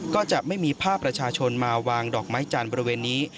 ก็จะไม่มีภาพประชาชนมาวางดอกไม้จันทร์บริเวณนี้